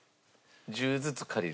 １０ずつ借りる。